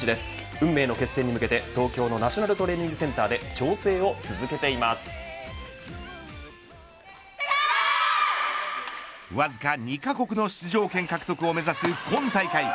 運命の決選に向けて東京のナショナルトレーニングセンターでわずか２カ国の出場権獲得を目指す今大会。